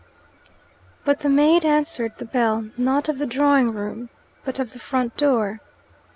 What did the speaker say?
But the maid answered the bell not of the drawing room, but of the front door.